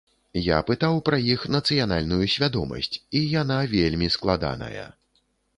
Я пытаў пра іх нацыянальную свядомасць, і яна вельмі складаная.